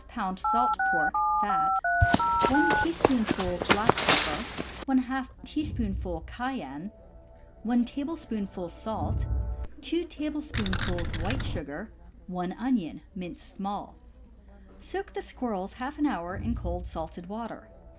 salt pork (fat), 1 teaspoonful black pepper, ^" Cayenne 1 tablespoonful salt, 2 tablespoonfuls white sugar, 1 onion, minced small. Soak the squirrels half an hour in cold salted water.